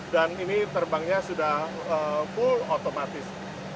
dan ini terbangnya sudah full otomatis